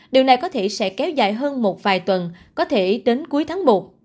điều này có thể sẽ kéo dài hơn một vài tuần có thể đến cuối tháng một